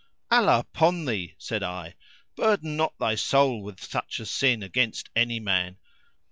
"Allah upon thee," said I, "burden not thy soul with such sin against any man.